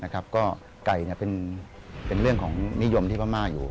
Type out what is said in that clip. ก็ไก่เป็นเรื่องของนิยมที่พม่าอยู่